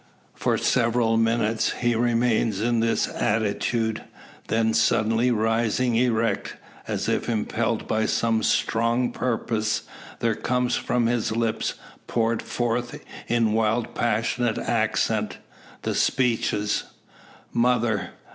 For several minutes he remains in this attitude. Then, suddenly rising erect, as if impelled by some strong purpose, there comes from his lips, poured forth in wild passionate accent, the speeches: "Mother!